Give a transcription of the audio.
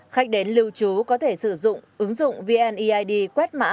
khách đến lưu trú có thể sử dụng ứng dụng vneid quét mã